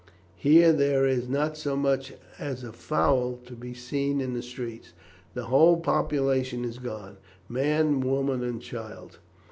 Here there is not so much as a fowl to be seen in the streets. The whole population is gone man, woman, and child."